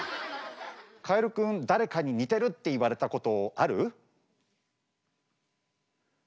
カエルくん誰かに似てるって言われたことある？